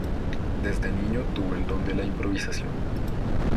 Desde niño tuvo el don de la improvisación.